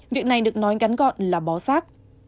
việc này được nói gắn gọn là bó xác